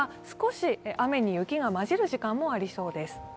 少し雨に雪が交じる時間もありそうです。